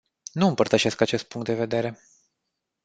Nu împărtășesc acest punct de vedere.